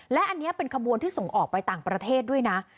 และอันนี้เป็นขบวนที่ส่งออกไปต่างประเทศด้วยนะ